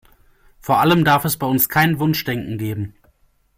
Vor allem darf es bei uns kein Wunschdenken geben.